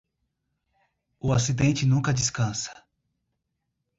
O acidente nunca descansa.